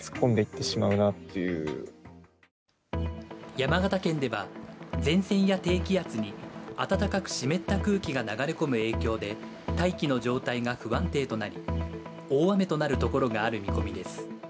山形県では前線や低気圧に暖かく湿った空気が流れ込む影響で大気の状態が不安定となり大雨となるところがある見込みです。